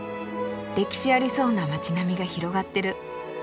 歴史ありそうな街並みが広がってる。